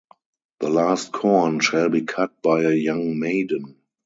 The last corn shall be cut by a young maiden.